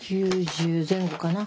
９０前後かな。